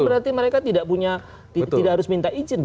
itu berarti mereka tidak harus minta izin